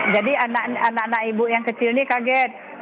jadi anak anak ibu yang kecil ini kaget